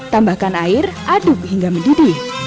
tambahkan air aduk hingga mendidih